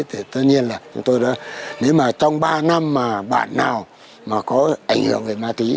thì tất nhiên là chúng tôi đã nếu mà trong ba năm mà bản nào mà có ảnh hưởng về ma túy